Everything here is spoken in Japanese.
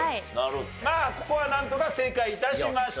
ここはなんとか正解致しました。